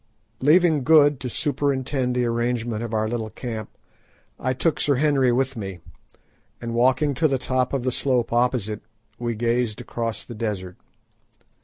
Leaving Good to superintend the arrangement of our little camp, I took Sir Henry with me, and walking to the top of the slope opposite, we gazed across the desert.